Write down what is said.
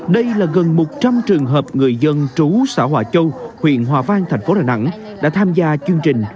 đây là gần một trăm linh trường hợp người dân trú xã hòa châu huyện hòa vang thành phố đà nẵng đã tham gia chương trình